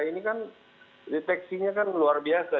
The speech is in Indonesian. ini kan deteksinya kan luar biasa